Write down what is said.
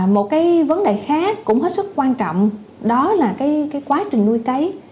một cái vấn đề khác cũng hết sức quan trọng đó là cái quá trình nuôi cấy